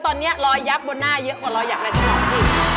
ตอนนี้รอยยับบนหน้าเยอะกว่ารอยอย่างละฉลองพี่